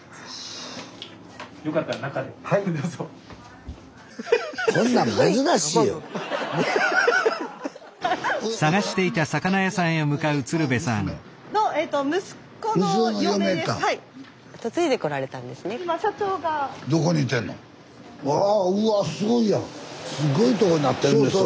スタジオすごいとこになってるんですよ